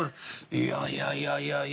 「いやいやいやいやいや」。